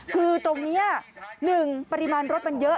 คือตรงนี้๑ปริมาณรถมันเยอะ